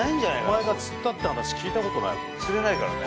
お前が釣ったって話聞いたことないもん。